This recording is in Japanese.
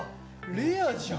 レアじゃん！